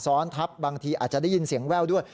ซ้อนทับบางทีอาจจะได้ยินเสียงแว่วด้วย